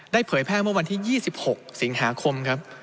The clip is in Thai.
เผยแพร่เมื่อวันที่๒๖สิงหาคมครับ